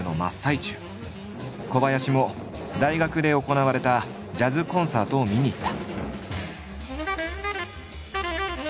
小林も大学で行われたジャズコンサートを見に行った。